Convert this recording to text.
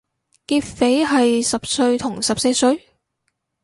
劫匪係十歲同十四歲？